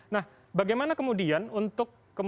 nah bagaimana kemudian untuk